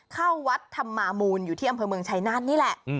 เข้าวัดธรรมามูลอยู่ที่อำเภอเมืองชายนาฏนี่แหละ